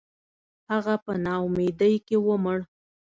• هغه په ناامیدۍ کې ومړ.